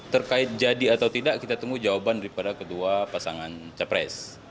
terkait jadi atau tidak kita tunggu jawaban daripada kedua pasangan capres